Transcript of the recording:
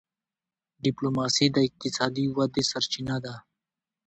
ډيپلوماسي د اقتصادي ودي سرچینه ده.